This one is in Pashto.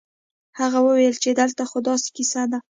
هغه وويل چې دلته خو داسې کيسه ده.